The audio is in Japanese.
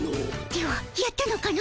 ではやったのかの？